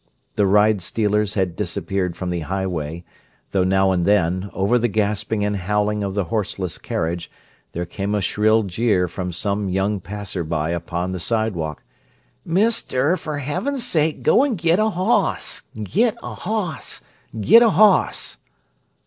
The ride stealers had disappeared from the highway, though now and then, over the gasping and howling of the horseless carriage, there came a shrill jeer from some young passer by upon the sidewalk: "Mister, fer heaven's sake go an' git a hoss! Git a hoss! Git a hoss!"